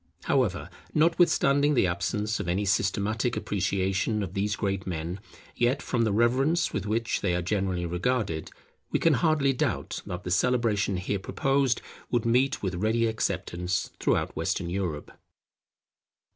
However, notwithstanding the absence of any systematic appreciation of these great men, yet from the reverence with which they are generally regarded, we can hardly doubt that the celebration here proposed would meet with ready acceptance throughout Western Europe.